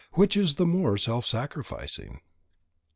Which is the more self sacrificing?